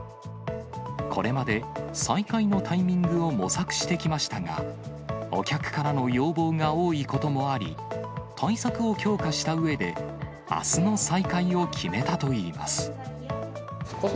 これまで再開のタイミングを模索してきましたが、お客からの要望が多いこともあり、対策を強化したうえで、あすの再開を決めたといいます。